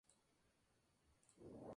El periodista apeló.